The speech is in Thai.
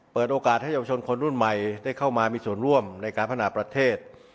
เปิดโอกาสให้เยาวชนคนรุ่นใหม่ได้เข้ามามีส่วนร่วมในการพัฒนาประเทศ